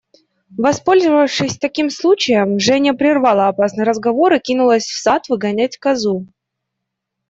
Воспользовавшись таким случаем, Женя прервала опасный разговор и кинулась в сад выгонять козу.